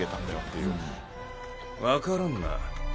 分からんな。